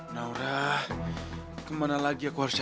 tapi kita harus menemukan naura